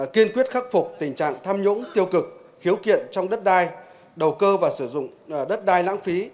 kiên quyết khắc phục tình trạng tham nhũng tiêu cực khiếu kiện trong đất đai đầu cơ và sử dụng đất đai lãng phí